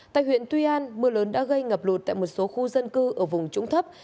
tại huyện tuy an mưa lớn đã gây ngập lụt tại một số khu dân cư ở vùng trũng thấp